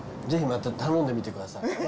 ぜひまた頼んでみてください。